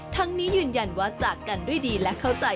ทั้งนี้ยืนยันว่าจากกันด้วยดีและเข้าใจ